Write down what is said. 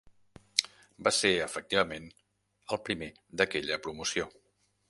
Va ser, efectivament, el primer d'aquella promoció.